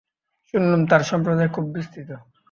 শুনলুম, তাঁর সম্প্রদায় খুব বিস্তৃত।